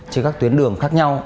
trên các tuyến đường khác nhau